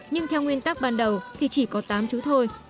nhưng theo nguyên tắc ban đầu thì chỉ có tám chú thôi